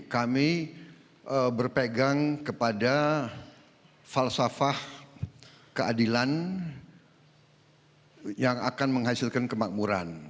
kami berpegang kepada falsafah keadilan yang akan menghasilkan kemakmuran